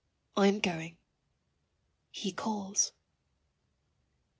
I am going. He calls.